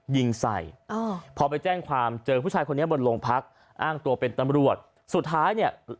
ยิงใส่อ่าพอไปแจ้งความเจอผู้ชายคนนี้บนโรงพักอ้างตัวเป็นตำรวจสุดท้ายเนี่ย